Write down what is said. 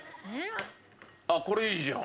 あっこれいいじゃん。